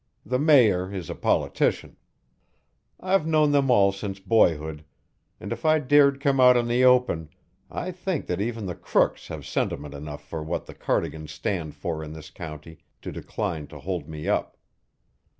The mayor is a politician. I've known them all since boyhood, and if I dared come out in the open, I think that even the crooks have sentiment enough for what the Cardigans stand for in this county to decline to hold me up."